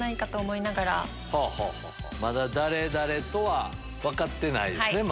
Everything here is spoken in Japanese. まだ誰とは分かってないですね。